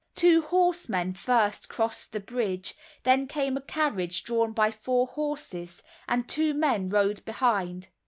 Two horsemen first crossed the bridge, then came a carriage drawn by four horses, and two men rode behind.